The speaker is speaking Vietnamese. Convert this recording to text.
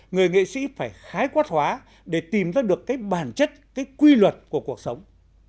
người nghệ sĩ phải khái quát hóa để tìm ra được cái bản chất cái quy luật của cuộc sống